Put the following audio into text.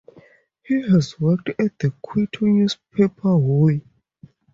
He has worked at the Quito newspaper "Hoy".